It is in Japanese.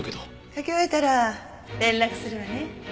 書き終えたら連絡するわね。